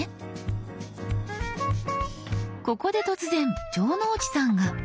ここで突然城之内さんが。